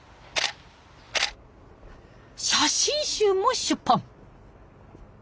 写真集も出版。